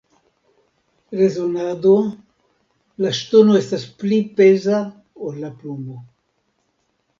Rezonado: La ŝtono estas pli peza ol la plumo.